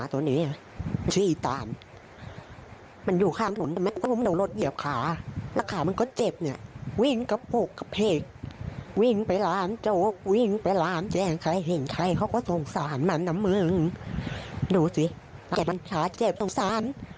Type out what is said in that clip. ถ้าอย่างนั้นแบบนี้จะไม่สงสารมันหน่อย